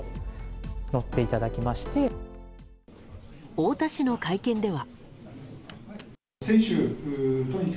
太田市の会見では。